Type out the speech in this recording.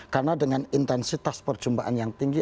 karena dengan intensitas perjumpaan yang tinggi